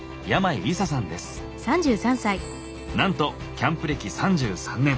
なんとキャンプ歴３３年。